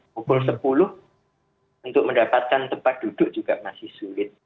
pukul sepuluh untuk mendapatkan tempat duduk juga masih sulit